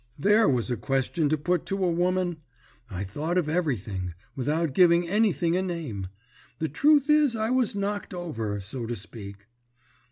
"There was a question to put to a woman! I thought of everything, without giving anything a name. The truth is I was knocked over, so to speak.